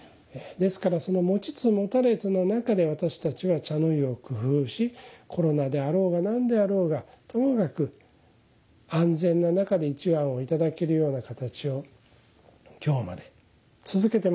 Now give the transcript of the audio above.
ですからその持ちつ持たれつの中で私たちは茶の湯を工夫しコロナであろうが何であろうがともかく安全な中で一碗をいただけるような形を今日まで続けて参りました。